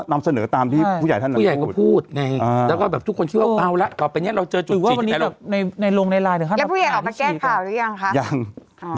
แล้วพูดอยากออกมาแจ้งข่าวหรือยังคะ